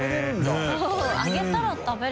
そう揚げたら食べれる？